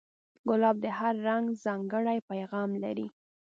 ګلاب د هر رنگ ځانګړی پیغام لري.